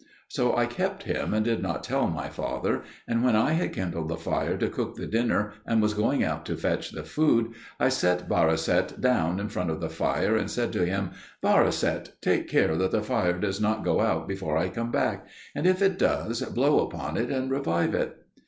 So I kept him, and did not tell my father; and when I had kindled the fire to cook the dinner, and was going out to fetch the food, I set Barisat down in front of the fire and said to him, "Barisat, take care that the fire does not go out before I come back; and if it does, blow upon it and revive it."